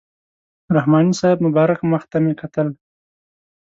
رحماني صاحب مبارک مخ ته مې کتل.